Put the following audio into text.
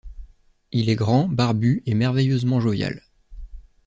Il est grand, barbu et merveilleusement jovial.